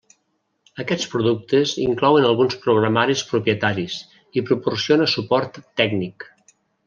Aquests productes inclouen alguns programaris propietaris, i proporciona suport tècnic.